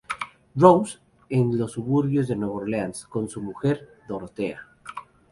Rose, en los suburbios de Nueva Orleans, con su mujer Dorothea.